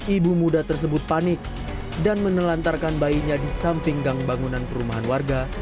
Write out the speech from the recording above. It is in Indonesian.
ibu muda tersebut panik dan menelantarkan bayinya di samping gang bangunan perumahan warga